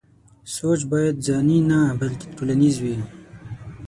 سوچ بايد ځاني نه بلکې ټولنيز وي.